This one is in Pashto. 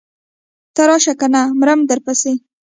ته راشه کنه مرمه درپسې.